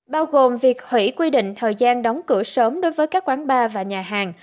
bao gồm việc hủy quy định thời gian đóng cửa sớm đối với các quán bar và nhà hàng